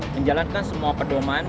menjalankan semua pedoman